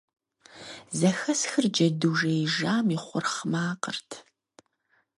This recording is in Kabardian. Зэхэсхыр джэду жеижам и хъурхъ макъырт.